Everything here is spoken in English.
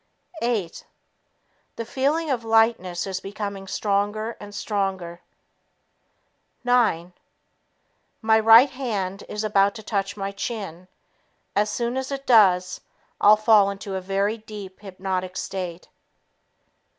Eight ... The feeling of lightness is becoming stronger and stronger. Nine ... My right hand is about to touch my chin; as soon as it does, I'll fall into a very deep hypnotic state.